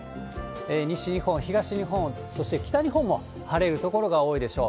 西日本、東日本、そして北日本も晴れる所が多いでしょう。